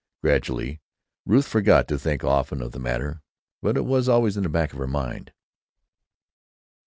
Gradually Ruth forgot to think often of the matter, but it was always back in her mind.